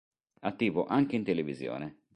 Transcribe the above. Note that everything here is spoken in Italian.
Attivo anche in televisione.